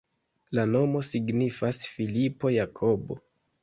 La nomo signifas Filipo-Jakobo.